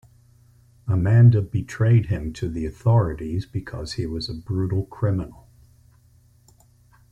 Amanda betrayed him to the authorities because he was a brutal criminal.